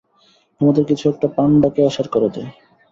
তোমাদের কিছু একটা, পান্ডাটাকে অসাড় করে দেয়।